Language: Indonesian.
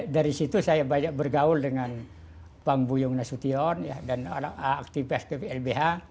dari situ saya banyak bergaul dengan pang buyung nasution dan aktivis pplbh